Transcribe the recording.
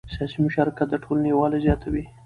سیاسي مشارکت د ټولنې یووالی زیاتوي